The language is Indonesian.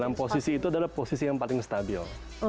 dalam posisi itu adalah posisi yang paling stabil